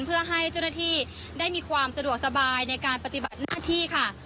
เพื่อให้เจ้าหน้าที่ได้มีความสะดวกสบายในการปฏิบัติหน้าที่ค่ะ